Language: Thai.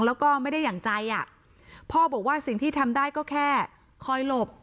แล้วก็ไม่ได้อย่างใจอ่ะพ่อบอกว่าสิ่งที่ทำได้ก็แค่คอยหลบ